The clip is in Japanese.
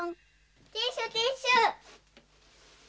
ティッシュティッシュ！